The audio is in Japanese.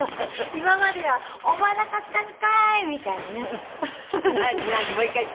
今までは思わなかったんかいみたいなね。